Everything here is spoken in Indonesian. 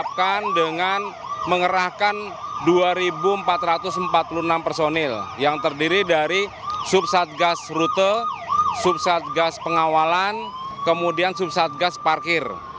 kita akan dengan mengerahkan dua empat ratus empat puluh enam personil yang terdiri dari subsatgas rute subsatgas pengawalan kemudian subsatgas parkir